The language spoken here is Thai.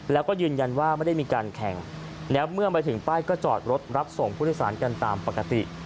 แล้วก็ยืนยันว่าไม่ได้มีการแข่งแล้วเมื่อไปถึงป้ายก็จอดรถรับส่งผู้โดยสารกันตามปกติ